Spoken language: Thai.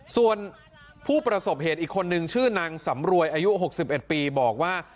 ส่วนผู้ประสบเหตุอีกคนนึงชื่อนางสำรวยอายุ๖๑ปีบอกว่า